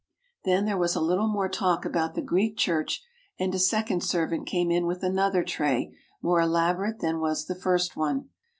Then there was a little more talk about the Greek Church and a second servant came in with another tray more elaborate than was the first one.